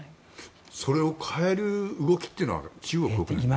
それを変える動きというのは中国にはないんですか。